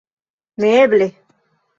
Neeble!